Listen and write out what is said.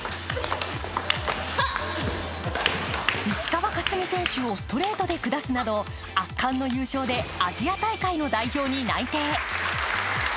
石川佳純選手をストレートで下すなど、圧巻の優勝でアジア大会の代表に内定。